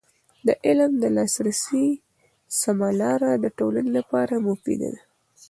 د علم د لاسرسي سمه لاره د ټولنې لپاره مفید ده.